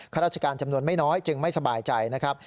ราชการจำนวนไม่น้อยจึงไม่สบายใจนะครับ